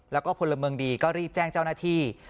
แล้วก็พลเมืองดีก็รีบแจ้งเจ้าหน้าที่